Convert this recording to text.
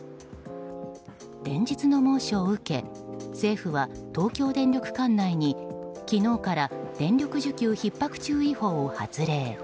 連日の猛暑を受け政府は、東京電力管内に昨日から電力需給ひっ迫注意報を発令。